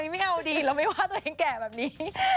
ไม่เอาดีเราไม่ว่าตัวเองแก่แบบนี้